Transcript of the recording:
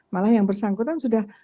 malah yang bersangkutan sudah